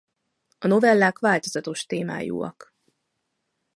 A novellák változatos témájúak.